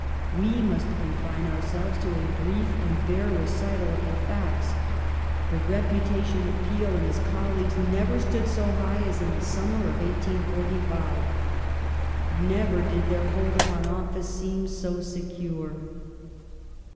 We must confine oureelves to a brief and bare recital of the facts. The re putation of Peel and his colleagues never stood so high as in the summer of 1845 ; never did their hold upon office seem so secure.